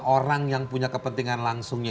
orang yang punya kepentingan langsungnya